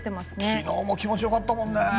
昨日も気持ちよかったもんね。